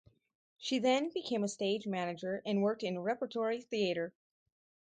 She then became a stage manager and worked in repertory theatre.